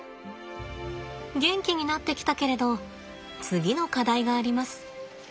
元気になってきたけれど次の課題があります。